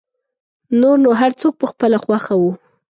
نور نو هر څوک په خپله خوښه و.